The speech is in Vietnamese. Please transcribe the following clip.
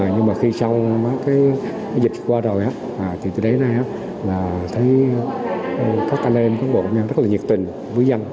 nhưng mà khi sau dịch qua rồi từ đấy thấy các cán bộ rất là nhiệt tình với dân